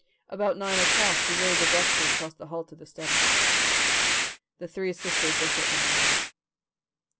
About nine o'clock he rose abruptly and crossed the hall to the study. The three sisters looked at one another.